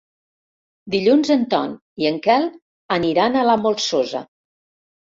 Dilluns en Ton i en Quel aniran a la Molsosa.